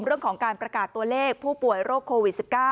เรื่องของการประกาศตัวเลขผู้ป่วยโรคโควิด๑๙